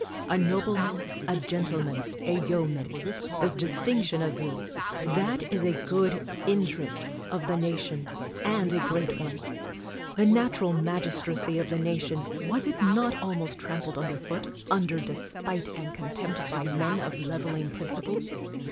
A nobleman, a gentleman, a yeoman; the distinction of these: that is a good interest of the nation, and a great one ! The natural magistracy of the nation, was it not almost trampled under foot, under despite and contempt, by men of leveling principles